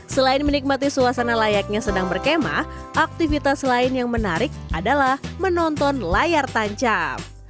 selain layaknya sedang berkema aktivitas lain yang menarik adalah menonton layar tancap